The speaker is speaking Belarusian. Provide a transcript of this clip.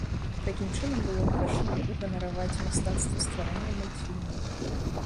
Такім чынам было вырашана ўганараваць мастацтва стварэння мультфільмаў.